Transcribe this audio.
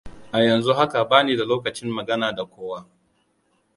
A yanzu haka bani da lokacin magana da kowa.